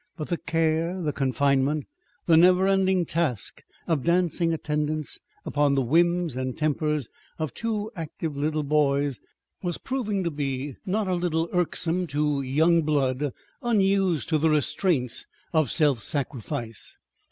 But the care, the confinement, the never ending task of dancing attendance upon the whims and tempers of two active little boys, was proving to be not a little irksome to young blood unused to the restraints of self sacrifice.